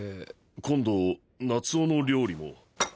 今度夏雄の料理も。